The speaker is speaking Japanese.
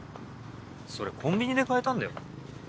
それコンビニで買えたんだよ。